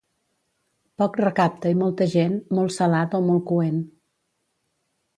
Poc recapte i molta gent, molt salat o molt coent.